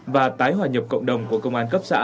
và tái hòa nhập cộng đồng của công an cấp xã